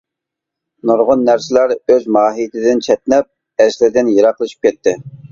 نۇرغۇن نەرسىلەر ئۆز ماھىيىتىدىن چەتنەپ، ئەسلىدىن يىراقلىشىپ كەتتى.